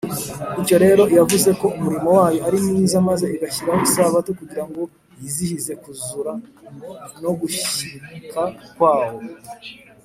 Bityo rero, iyavuze ko umurimo wayo ari mwiza, maze igashyiraho Isabato kugira ngo yizihize kuzura no gushyika kwawo